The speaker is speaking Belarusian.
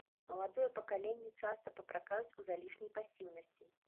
Маладое пакаленне часта папракаюць у залішняй пасіўнасці.